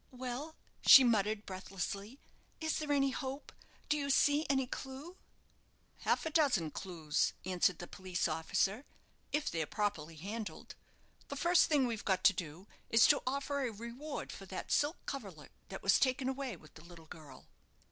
"Well?" she muttered, breathlessly, "is there any hope? Do you see any clue?" "Half a dozen clues," answered the police officer, "if they're properly handled. The first thing we've got to do is to offer a reward for that silk coverlet that was taken away with the little girl."